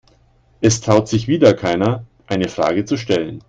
Es traut sich wieder keiner, eine Frage zu stellen.